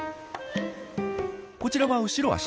こちらは後ろ足。